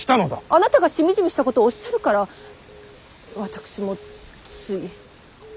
あなたがしみじみしたことおっしゃるから私もつい。